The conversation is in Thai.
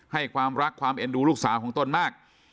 ให้ความรักความเอ็นดูลูกสาวของตนมาก